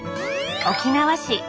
沖縄市。